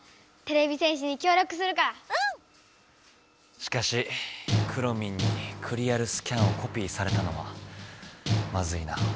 しかしくろミンにクリアルスキャンをコピーされたのはまずいな。